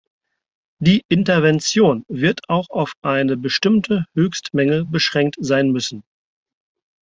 Die Intervention wird auch auf eine bestimmte Höchstmenge beschränkt sein müssen.